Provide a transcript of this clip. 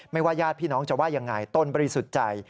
ว่าญาติพี่น้องจะว่ายังไงตนบริสุทธิ์ใจ